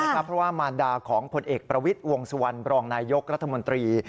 เพราะว่ามารดาของผลเอกประวิทย์วงสุวรรณบรองนายยกรัฐมนตรี